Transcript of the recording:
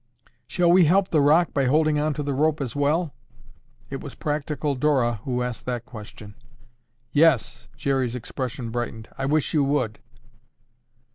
"Shall we help the rock by holding onto the rope as well?" It was practical Dora who asked that question. "Yes!" Jerry's expression brightened. "I wish you would."